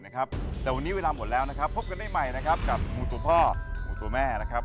แต่วันนี้เวลาหมดแล้วนะครับพบกันได้ใหม่นะครับกับหมูตัวพ่อหมูตัวแม่นะครับ